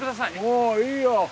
もういいよ